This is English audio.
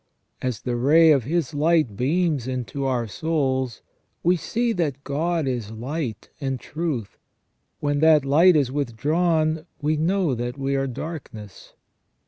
As the ray of His light beams into our souls, we see that God is light and truth ; when that light is with drawn, we know that we are darkness.